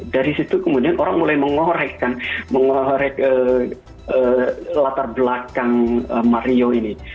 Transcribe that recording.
dari situ kemudian orang mulai mengorekkan latar belakang mario ini